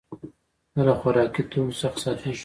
زه له خوراکي توکو څخه ساتم.